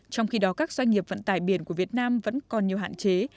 trong khi đó các doanh nghiệp vận tải biển của việt nam vẫn còn nhiều hạn chế